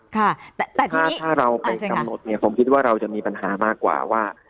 แต่ถ้าเราไปกำหนดเนี่ยผมคิดว่าเราจะมีปัญหามากกว่าว่า